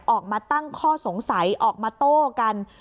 ออกมาตั้งข้อสงสัยออกมาโต้กัน